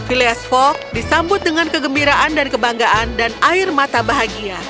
philias folk disambut dengan kegembiraan dan kebanggaan dan air mata bahagia